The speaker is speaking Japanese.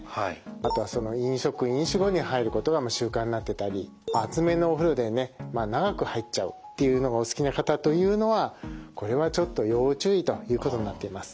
あとは飲食・飲酒後に入ることが習慣になってたり熱めのお風呂でね長く入っちゃうっていうのがお好きな方というのはこれはちょっと要注意ということになっています。